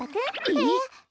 えっ？